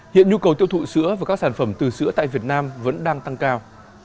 hiện nhu cầu tiêu thụ sữa và các sản phẩm từ sữa tại việt nam vẫn đang tăng cao